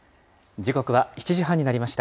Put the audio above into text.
時刻は７時半になりました。